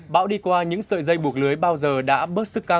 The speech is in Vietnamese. bao đi qua những sợi dây buộc lưới bao giờ đã bớt sức khỏe